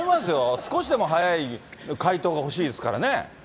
少しでも早い回答が欲しいですからね。